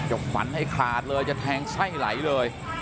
ขวัญให้ขาดเลยจะแทงไส้ไหลเลย